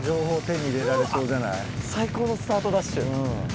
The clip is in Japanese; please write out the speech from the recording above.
最高のスタートダッシュ。